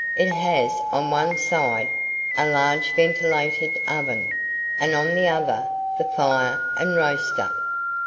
It has on the one side, a large ventilated oven; and on the other, the fire and roaster.